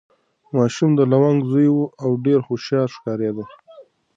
ماشوم د لونګ زوی و او ډېر هوښیار ښکارېده.